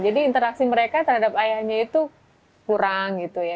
jadi interaksi mereka terhadap ayahnya itu kurang gitu ya